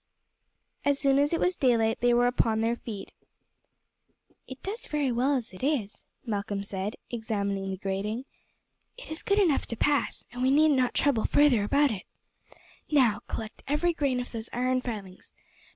As soon as it was daylight they were upon their feet. "It does very well as it is," Malcolm said, examining the grating. "It is good enough to pass, and we need not trouble further about it. Now collect every grain of those iron filings.